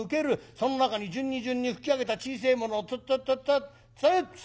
その中に順に順に拭き上げた小せえものをツッツッツッツッツッそう！